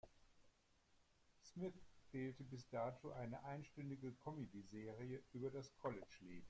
Smith fehlte bis dato eine einstündige Comedyserie über das College-Leben.